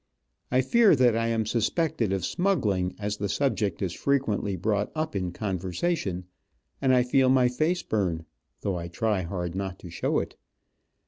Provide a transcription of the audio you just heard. I fear that I am suspected of smuggling, as the subject is frequently brought up in conversation, and I feel my face burn, though I try hard not to show it.